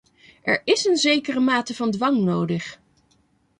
Er is een zekere mate van dwang nodig.